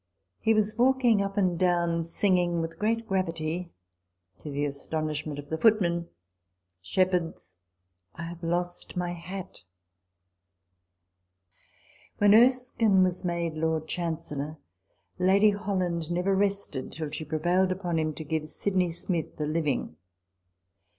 He was walking up and down, sing ing with great gravity, to the astonishment of the footmen, " Shepherds, I have lost my hat" When Erskine was made Lord Chancellor, Lady Holland never rested till she prevailed on him to give Sidney Smith a living.